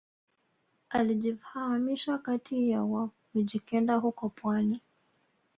Alijifahamisha kati ya wa mijikenda huko pwani